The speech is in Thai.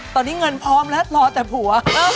ตอนนี้เงินพร้อมแล้วรอแต่ผัว